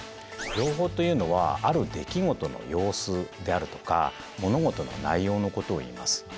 情報というのはある出来事の様子であるとか物事の内容のことをいいます。